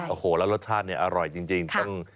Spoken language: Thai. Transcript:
โอ้โหแล้วรสชาติเนี่ยอร่อยจริง